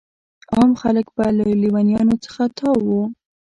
عام خلک به له لیونیانو څخه تاو وو.